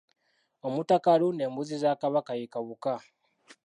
Omutaka alunda embuzi za Kabaka ye Kawuka.